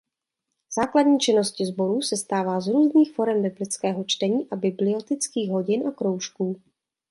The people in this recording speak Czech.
Základní činnost sborů sestává z různých forem biblického čtení a biblických hodin a kroužků.